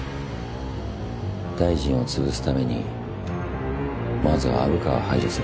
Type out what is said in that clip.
大臣を潰すためにまずは虻川を排除する。